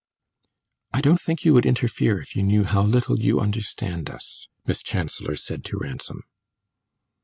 "I don't think you would interfere if you knew how little you understand us," Miss Chancellor said to Ransom.